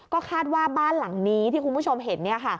ก็คาดว่าบ้านหลังนี้ที่คุณผู้ชมเห็น